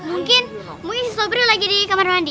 mungkin si sobri lagi di kamar mandi